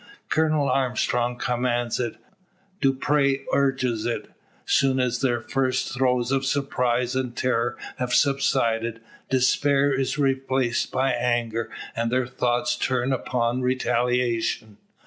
Colonel Armstrong commands it; Dupre urges it. Soon as their first throes of surprise and terror have subsided, despair is replaced by anger, and their thoughts turn upon retaliation.